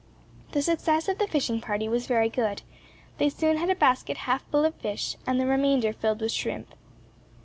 The success of the fishing party was very good; they soon had a basket half full of fish, and the remainder filled with shrimp.